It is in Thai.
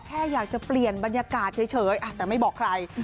แค่อยากจะเปลี่ยนบรรยากาศเฉยแต่ไม่บอกใคร